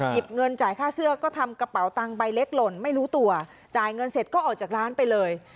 เงินจ่ายค่าเสื้อก็ทำกระเป๋าตังใบเล็กหล่นไม่รู้ตัวจ่ายเงินเสร็จก็ออกจากร้านไปเลย